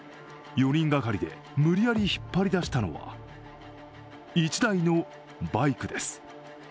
４人掛かりで無理やり引っ張り出したのは１台のバイクです。